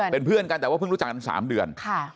เป็นเพื่อนกันแต่ว่าเพิ่งรู้จักกัน๓เดือน